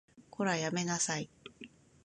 こら、やめなさい